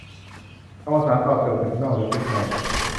อวสานตอบโจทย์ ศึกนอก หรือศึกใน